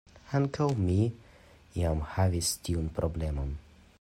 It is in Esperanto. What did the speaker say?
Ankaŭ mi iam havis tiun problemon.